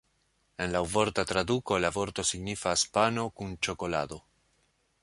En laŭvorta traduko la vorto signifas "pano kun ĉokolado".